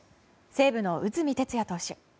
西武の内海哲也投手。